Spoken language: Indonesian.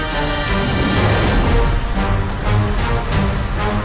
tidak ada bunda